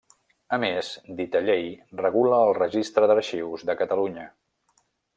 A més, dita llei, regula el Registre d'Arxius de Catalunya.